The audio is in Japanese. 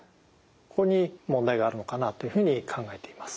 ここに問題があるのかなというふうに考えています。